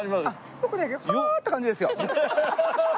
僕ねハアって感じですよ。